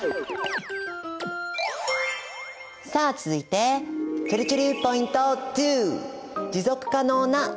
さあ続いてちぇるちぇるポイント２！